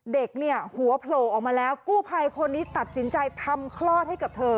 เด็กเนี่ยหัวโผล่ออกมาแล้วกู้ภัยคนนี้ตัดสินใจทำคลอดให้กับเธอ